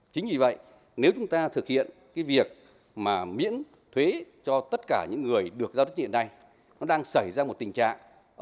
chính vì vậy nếu chúng ta thực hiện cái việc mà miễn thuế cho tất cả những người được giao đất hiện nay nó đang xảy ra một tình trạng